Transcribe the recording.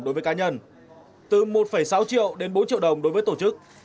đối với cá nhân từ một sáu triệu đến bốn triệu đồng đối với tổ chức